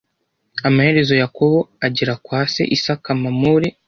Amaherezo Yakobo agera kwa se Isaka Mamure